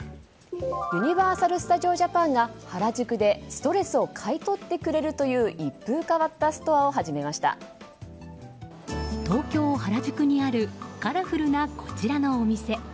ユニバーサル・スタジオ・ジャパンが原宿で、ストレスを買い取ってくれるという東京・原宿にあるカラフルなこちらのお店。